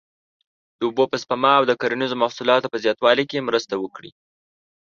د اوبو په سپما او د کرنیزو محصولاتو په زیاتوالي کې مرسته وکړي.